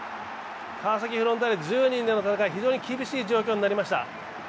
川崎フロンターレ、１０人での戦い、非常に厳しい状況となりました。